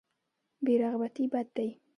بې رغبتي بد دی.